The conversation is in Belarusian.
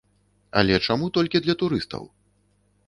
Але чаму толькі для турыстаў?